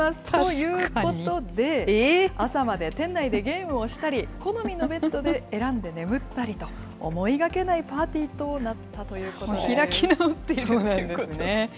ということで、朝まで店内でゲームをしたり、好みのベッドで選んで眠ったりと、思いがけないパーティーとなった開き直ってるっていうこと。